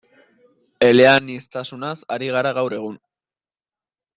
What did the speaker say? Eleaniztasunaz ari gara gaur egun.